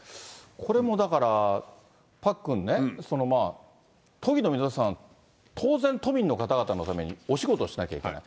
これもだから、パックンね、都議の皆さん、当然、都民の方々のためにお仕事をしなきゃいけない。